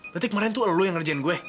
berarti kemarin tuh lo yang ngerjain gue